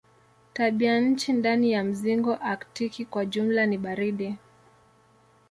Tabianchi ndani ya mzingo aktiki kwa jumla ni baridi.